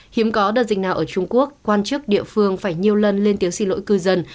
hiếm có đợt dịch nào ở trung quốc quan chức địa phương phải nhiều lần lên tiếng xin lỗi cư dân